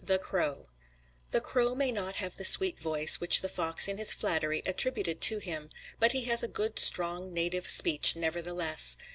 THE CROW The crow may not have the sweet voice which the fox in his flattery attributed to him, but he has a good, strong, native speech nevertheless.